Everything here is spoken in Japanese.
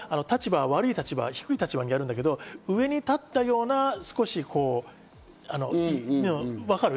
自分はもちろん悪い立場、低い立場にあるんだけど、上に立ったような、分かる？